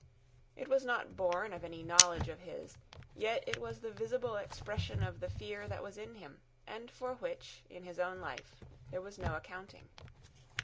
It was not born of any knowledge of his, yet it was the visible expression of the fear that was in him, and for which, in his own life, there was no accounting.